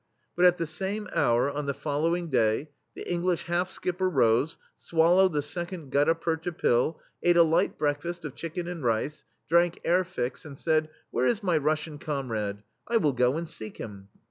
But at the same hour on the follow ing day, the English half skipper rose, swallowed the second gutta percha pill, ate a light breakfast of chicken and rice, drank airfixe, and said: "Where is my Russian comrade? I will go and seek him."